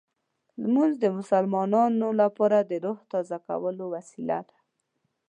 لمونځ د مسلمانانو لپاره د روح تازه کولو وسیله ده.